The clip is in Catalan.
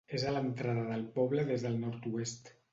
És a l'entrada del poble des del nord-oest.